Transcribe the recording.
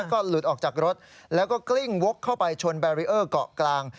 ก็หลุดออกจากรถแล้วก็กลิ้งวกเข้าไปชนแบรีเออร์เกาะกลาง